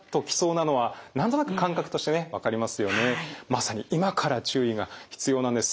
まさに今から注意が必要なんです。